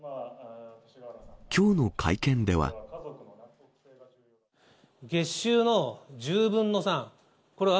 きょうの会見では。